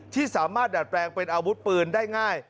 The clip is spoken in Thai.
ที่สามารถดัดแปลงเป็นอาวุธปืนได้ง่าย